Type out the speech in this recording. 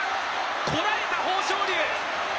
こらえた、豊昇龍。